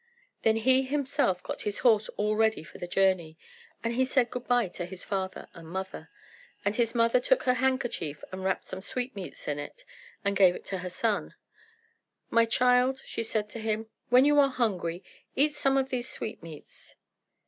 Then he himself got his horse all ready for the journey, and he said good bye to his father and mother; and his mother took her handkerchief and wrapped some sweetmeats in it, and gave it to her son. "My child," she said to him, "When you are hungry eat some of these sweetmeats."